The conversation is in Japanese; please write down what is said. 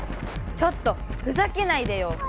ちょっとふざけないでよ！